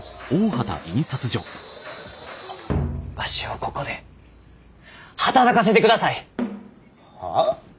わしをここで働かせてください！はあ！？